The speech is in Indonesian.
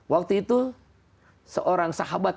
waktu itu seorang sahabat